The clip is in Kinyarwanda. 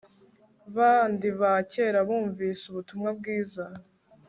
bandi ba kera bumvise ubutumwa bwiza